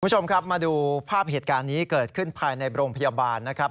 คุณผู้ชมครับมาดูภาพเหตุการณ์นี้เกิดขึ้นภายในโรงพยาบาลนะครับ